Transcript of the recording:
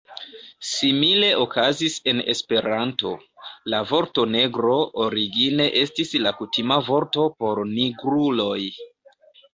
Simile okazis en Esperanto: La vorto "negro" origine estis la kutima vorto por nigruloj.